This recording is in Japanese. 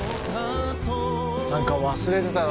何か忘れてたな